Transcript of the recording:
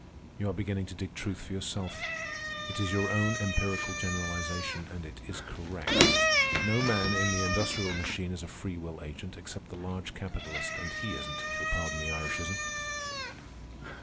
You are beginning to dig truth for yourself. It is your own empirical generalization, and it is correct. No man in the industrial machine is a free will agent, except the large capitalist, and he isn't, if you'll pardon the Irishism.